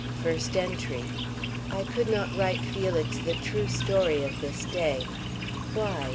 FIRST ENTRY. I could not write Felix the true story of this day. Why?